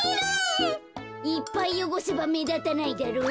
いっぱいよごせばめだたないだろう。